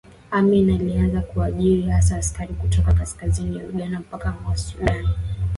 Amin alianza kuajiri hasa askari kutoka kaskazini ya Uganda mpakani mwa Sudani